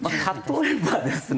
例えばですね